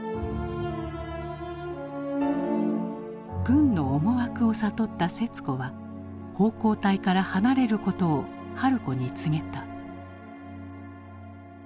軍の思惑を悟った節子は奉公隊から離れることを春子に告げた。